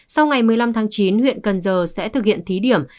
sau ngày một mươi năm tháng chín huyện cần giờ sẽ thực hiện thí điểm